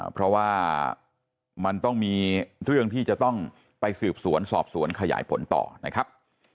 เพราะว่ามันต้องมีเรื่องที่จะต้องไปสืบสวนสอบสวนขยายผลต่อนะครับ